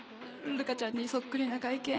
ルカちゃんにそっくりな外見。